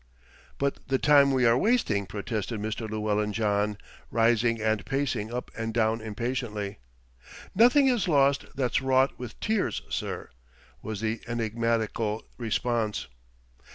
"But the time we are wasting," protested Mr. Llewellyn John, rising and pacing up and down impatiently. "Nothing is lost that's wrought with tears, sir," was the enigmatical response.